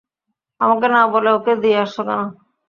আমাকে না বলে ওকে দিয়ে আসছো কেন?